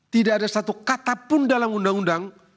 tidak ada satu kata pun dalam undang undang